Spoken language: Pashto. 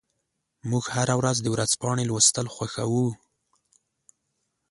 موږ هره ورځ د ورځپاڼې لوستل خوښوو.